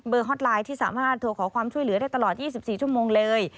ฮอตไลน์ที่สามารถโทรขอความช่วยเหลือได้ตลอด๒๔ชั่วโมงเลย